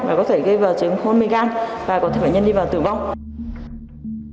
và có thể gây vào chứng khôn mê gan và có thể bệnh nhân đi vào tử vong